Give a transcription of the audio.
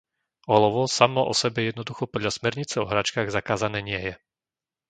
Olovo samo osebe jednoducho podľa smernice o hračkách zakázané nie je!